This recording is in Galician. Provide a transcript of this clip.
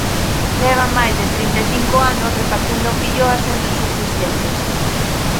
Levan máis de trinta e cinco anos repartindo filloas entre os asistentes.